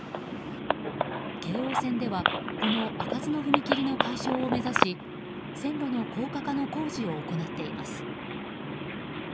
京王線ではこの開かずの踏切の解消を目指し線路の高架化の工事を行っています。